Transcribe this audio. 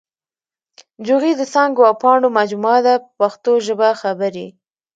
جوغې د څانګو او پاڼو مجموعه ده په پښتو ژبه خبرې.